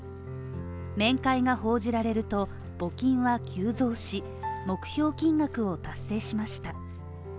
面会が報じられると、募金は急増し、目標金額を達成しました。